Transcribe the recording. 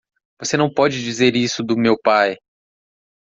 Você não pode dizer isso do meu pai!